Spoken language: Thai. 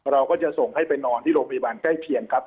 เราก็จะส่งให้ไปนอนที่โรงพยาบาลใกล้เคียงครับ